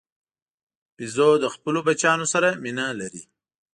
بیزو د خپلو بچیانو سره مینه لري.